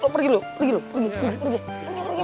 pergi lu pergi lu